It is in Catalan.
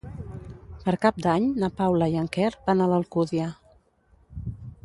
Per Cap d'Any na Paula i en Quer van a l'Alcúdia.